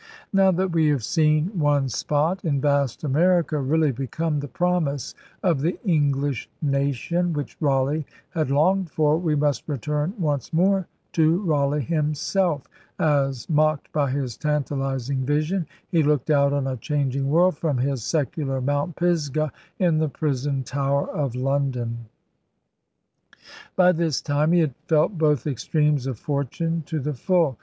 Now that we have seen one spot in vast America really become the promise of the 'Inglishe nation' which Raleigh had longed for, we must return once more to Raleigh himself as, mocked by his tantaliz ing vision, he looked out on a changing world from his secular Mount Pisgah in the prison Tower of London. By this time he had felt both extremes of for tune to the full.